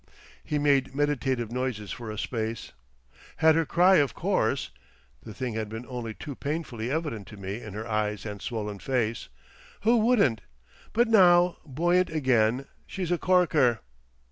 He made meditative noises for a space. "Had her cry of course,"—the thing had been only too painfully evident to me in her eyes and swollen face—"who wouldn't? But now—buoyant again!... She's a Corker.